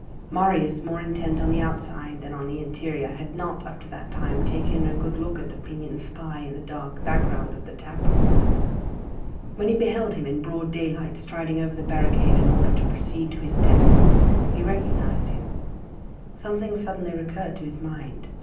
Marius, more intent on the outside than on the interior, had not, up to that time, taken a good look at the pinioned spy in the dark background of the tap room. When he beheld him in broad daylight, striding over the barricade in order to proceed to his death, he recognized him. Something suddenly recurred to his mind.